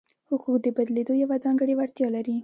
حقوق د بدلېدو یوه ځانګړې وړتیا لري.